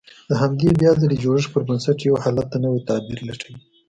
د همدې بيا ځلې جوړښت پر بنسټ يو حالت ته نوی تعبير لټوي.